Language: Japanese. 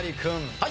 はい。